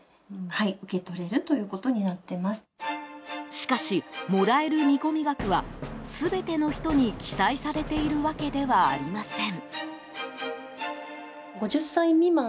しかし、もらえる見込み額は全ての人に記載されているわけではありません。